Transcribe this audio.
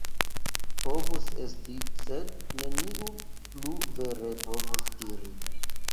Povus esti, sed neniu plu vere povus diri.